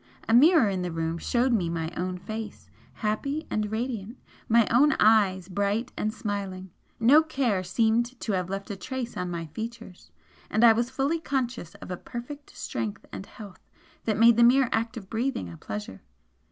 A mirror in the room showed me my own face, happy and radiant, my own eyes bright and smiling, no care seemed to have left a trace on my features, and I was fully conscious of a perfect strength and health that made the mere act of breathing a pleasure.